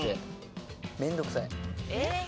えっ？